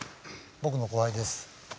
僕の後輩です。